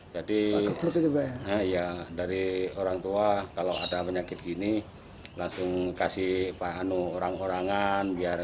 jadi dari orang tua kalau ada penyakit gini langsung kasih paham orang orangan